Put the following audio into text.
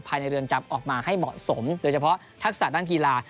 ภายในเรือนจำออกมาให้เหมาะสมโดยเฉพาะทักษะด้านกีฬา